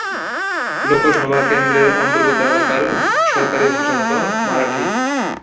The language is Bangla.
লোকসভা কেন্দ্রের অন্তর্গত এলাকার সরকারি ভাষা হল মারাঠি।